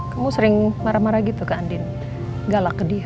kamu sering marah marah gitu ke andin galak ke dia